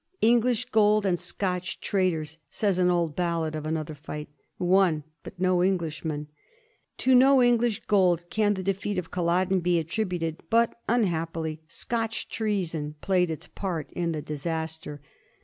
'^English gold and Scotch traitors," says an old ballad of another fight, ^' won ..., but no Englishman." To no English gold can the defeat of Cnlloden be attributed, but unhappily Scotch treason played its part in the disaster.